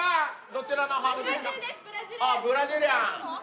ああブラジリアン！